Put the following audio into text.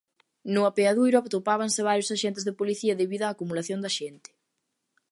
No apeadoiro atopábanse varios axentes de policía debido á acumulación de xente.